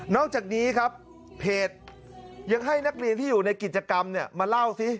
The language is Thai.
อกจากนี้ครับเพจยังให้นักเรียนที่อยู่ในกิจกรรมมาเล่าสิ